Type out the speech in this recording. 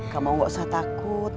kamu gak usah takut